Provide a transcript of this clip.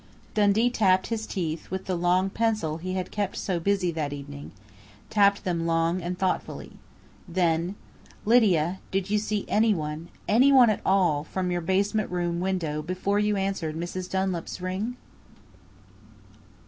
Dundee tapped his teeth with the long pencil he had kept so busy that evening tapped them long and thoughtfully. Then: "Lydia, did you see anyone anyone at all! from your basement room window before you answered Mrs. Dunlap's ring?"